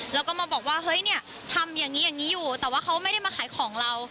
แล้วก็มาบอกว่าเฮ้ยเนี่ยทำอย่างนี้อย่างนี้อยู่แต่ว่าเขาไม่ได้มาขายของเรา